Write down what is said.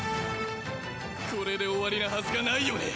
これで終わりなはずがないよね。